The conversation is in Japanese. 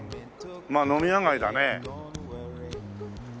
まあ飲み屋街だね。